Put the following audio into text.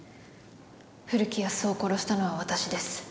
古木保男を殺したのは私です。